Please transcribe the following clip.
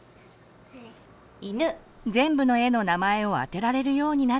全部の絵の名前を当てられるようになったら。